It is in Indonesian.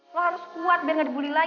lo harus kuat biar gak dibully lagi